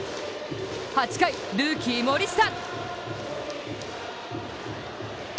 ８回、ルーキー・森下！